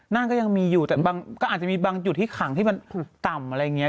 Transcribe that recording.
นั่นก็ยังมีอยู่แต่ก็อาจจะมีบางจุดที่ขังที่มันต่ำอะไรอย่างนี้